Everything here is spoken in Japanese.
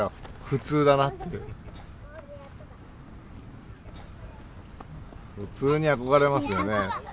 普通に憧れますよね。